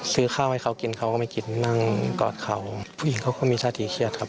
ซื้อข้าวให้เขากินเขาก็ไม่กินนั่งกอดเขาผู้หญิงเขาก็มีท่าทีเครียดครับ